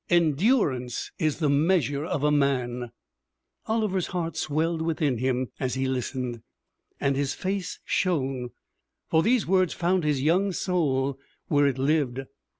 Endurance is the measure of a man.' Oliver's heart swelled within him as he listened, and his face shone, for these words found his young soul where it lived.